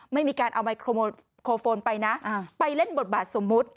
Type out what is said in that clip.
ไม่มีการเอาไมโครโฟนไปนะไปเล่นบทบาทสมมุติ